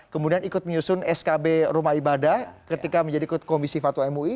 kemudian ikut menyusun skb rumah ibadah ketika menjadi ikut komisi fatwa mui